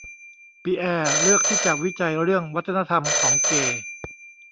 ปีแอร์เลือกที่จะวิจัยเรื่องวัฒนธรรมของเกย์